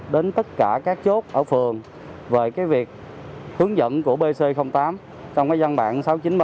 đến tất cả các chốt ở phường về việc hướng dẫn của bc tám trong văn bản sáu nghìn chín trăm ba mươi